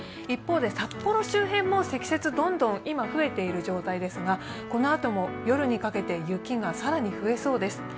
一方で札幌周辺も積雪、今、どんどん増えている状態ですが、このあとも夜にかけて雪が更に増えそうです。